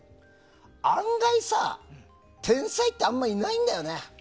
案外さ、天才ってあんまりいないんだよね。